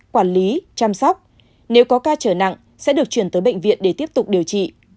quản lý chăm sóc nếu có ca trở nặng sẽ được chuyển tới bệnh viện để tiếp tục điều trị